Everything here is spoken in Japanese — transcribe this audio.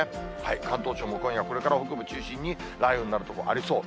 関東地方も今夜これから、北部を中心に雷雨になる所ありそう。